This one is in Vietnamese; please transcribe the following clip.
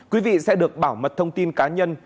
quý vị sẽ được bảo mật thông tin cá nhân